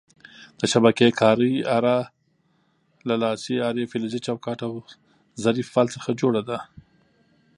د شبکې کارۍ اره له لاسۍ، فلزي چوکاټ او ظریف پل څخه جوړه ده.